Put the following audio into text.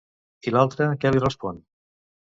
I l'altre, què li respon?